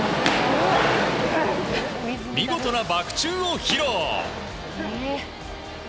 見事なバク宙を披露。